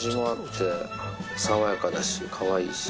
爽やかだしかわいいし。